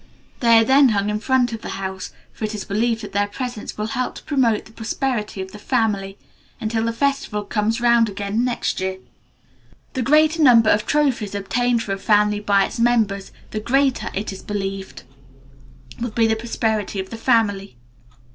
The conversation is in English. They are then hung in front of the houses, for it is believed that their presence will help to promote the prosperity of the family, until the festival comes round again next year. The greater the number of trophies obtained for a family by its members, the greater, it is believed, will be the prosperity of the family."